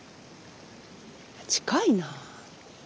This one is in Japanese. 近いなあ。